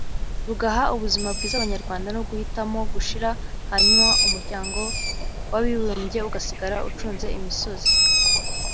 rugaha ubuzima bwiza abanyarwanda no guhitamo gushira hanyuma Umuryango w’Abibumbye ugasigara ucunze imisozi